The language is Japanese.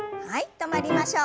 止まりましょう。